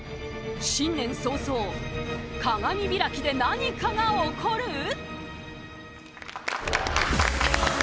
新年早々、鏡開きで何かが起こる！？